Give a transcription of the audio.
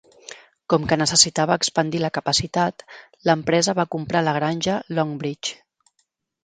Com que necessitava expandir la capacitat, l'empresa va comprar la granja Longbridge.